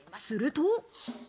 すると。